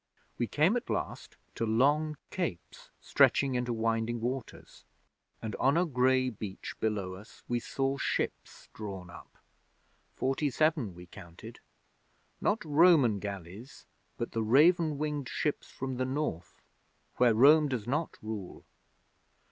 We came at last to long capes stretching into winding waters, and on a grey beach below us we saw ships drawn up. Forty seven we counted not Roman galleys but the raven winged ships from the North where Rome does not rule.